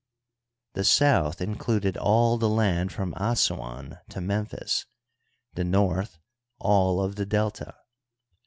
The " South " included all the land from Assuan to ^Memphis, the " North " all of the Delta.